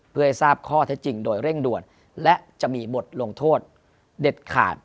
เพื่อให้ทราบข้อเท็จจริงโดยเร่งด่วนและมีในมุทิภาพลักษณ์มีบทลงโทษด่าร์ด